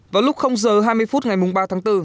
vào lúc giờ hai mươi phút ngày ba tháng bốn